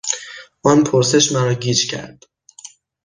آن پرسش مرا گیج کرد.